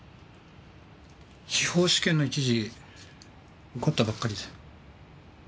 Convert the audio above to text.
司法試験の一次受かったばっかりで。